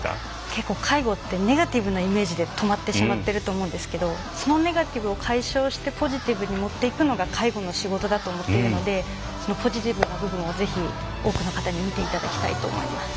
結構介護ってネガティブなイメージで止まってしまってると思うんですけどそのネガティブを解消してポジティブにもっていくのが介護の仕事だと思っているのでそのポジティブな部分をぜひ多くの方に見ていただきたいと思います。